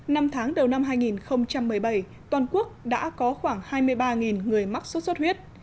năm tháng đầu năm hai nghìn một mươi bảy toàn quốc đã có khoảng hai mươi ba người mắc sốt xuất huyết